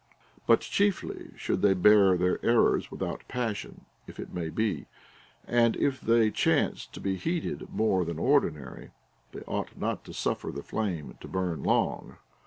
But chiefly should they bear their errors without passion, if it may be ; and if they chance to be heated more than ordinary, they ou^ht not to sufier the flame to burn long.